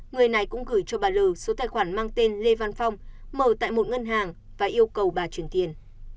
người này cũng gửi cho bà lư số tài khoản mang tên lê văn phong mở tại một ngân hàng và yêu cầu bà chuyển tiền